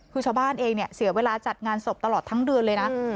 คือชาวบ้านเองเนี่ยเสียเวลาจัดงานศพตลอดทั้งเดือนเลยนะ